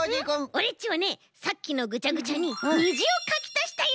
オレっちはねさっきのぐちゃぐちゃににじをかきたしたよ。